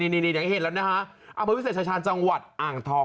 อย่างที่เห็นแล้วนะฮะอัพเวิร์ธวิเศษชายชาญจังหวัดอางทอง